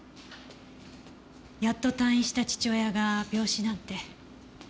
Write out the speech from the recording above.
やっと退院した父親が病死なんて。